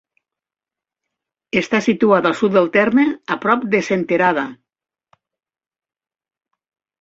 Està situada al sud del terme, a prop de Senterada.